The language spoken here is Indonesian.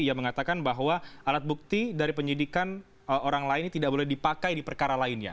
ia mengatakan bahwa alat bukti dari penyidikan orang lain tidak boleh dipakai di perkara lainnya